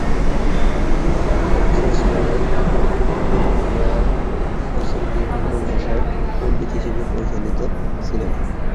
অবসর সময়ে লায়াল প্রাচ্যের বিভিন্ন ভাষার পণ্ডিত হিসেবে পরিচিত ছিলেন।